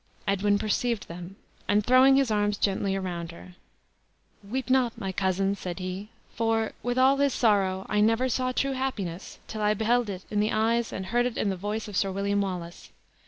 Edwin perceived them, and throwing his arms gently around her. "Weep not, my sweet cousin," said he; "for, with all his sorrow, I never saw true happiness till I beheld it in the eyes and heard it in the voice of Sir William Wallace.